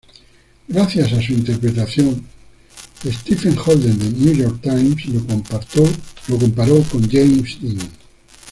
Gracias su interpretación, Stephen Holden de "New York Times" lo comparó con James Dean.